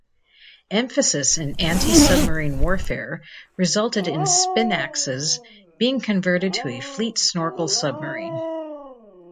Emphasis in antisubmarine warfare resulted in "Spinax"'s being converted to a Fleet Snorkel submarine.